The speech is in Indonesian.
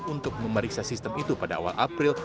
untuk memeriksa sistem itu pada awal april